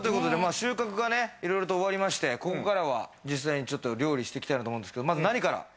収穫がいろいろと終わりまして、ここからは実際に料理をしていきたいなと思うんですが、まずは何から？